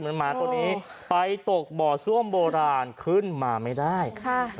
หมาตัวนี้ไปตกบ่อซ่วมโบราณขึ้นมาไม่ได้ค่ะ